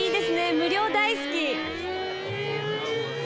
無料大好き。